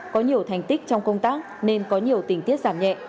có nhiều thành tích trong công tác nên có nhiều tình tiết giảm nhẹ